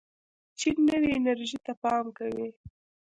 چین نوې انرژۍ ته پام کوي.